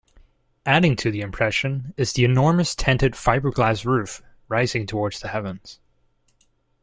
Adding to the impression is the enormous tented fiberglass roof rising towards the heavens.